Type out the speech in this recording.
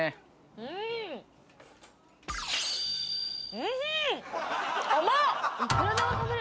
おいしい。